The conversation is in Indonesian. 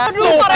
aduh pak rete